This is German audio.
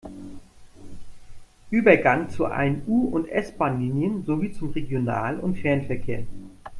Übergang zu allen U- und S-Bahnlinien sowie zum Regional- und Fernverkehr.